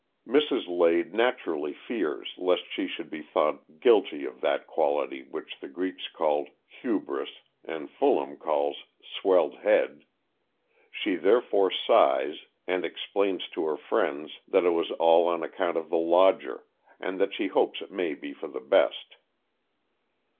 Mrs. Lade naturally fears lest she should be thought guilty of that quality, which the Greeks called 'hubris" and Fulham calls 'swelled head." She therefore sighs, and explains to her friends that it was all on account of the lodger, and that she hopes it may be for the best.